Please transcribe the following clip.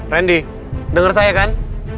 randy denger saya kan